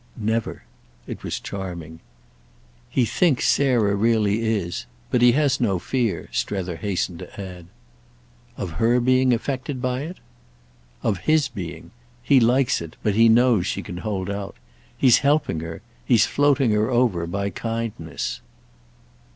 "Never." It was charming. "He thinks Sarah really is. But he has no fear," Strether hastened to add. "Of her being affected by it?" "Of his being. He likes it, but he knows she can hold out. He's helping her, he's floating her over, by kindness."